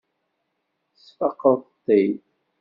Tesfaqeḍ-t-id.